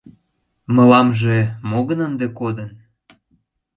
Мыламже мо гын ынде кодын –